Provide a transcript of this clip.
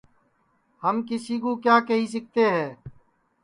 ہم کسی کُو کیا کیہی سِکتے ہے